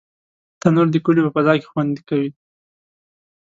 تنور د کلیو په فضا کې خوند کوي